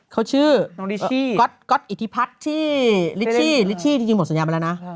เขาชื่อก๊อตอิทธิพัทธ์ที่ลิชชี่ที่จริงหมดสัญญาบันแล้วนะ